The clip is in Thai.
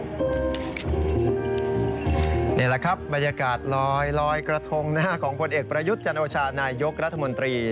นี่แหละครับบรรยากาศลอยลอยกระทง